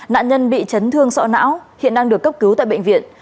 nạn nhân bị chấn thương sọ não hiện đang được cấp cứu tại bệnh viện